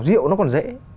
rượu nó còn dễ